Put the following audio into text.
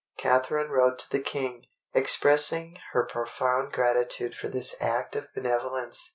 Catharine wrote to the King, expressing her profound gratitude for this act of benevolence.